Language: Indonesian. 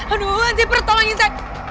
aduh hansi pers tolongin saya